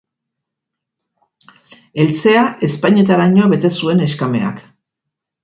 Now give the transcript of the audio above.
Eltzea ezpainetaraino bete zuen neskameak.